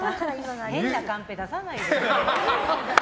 変なカンペ出さないでよ。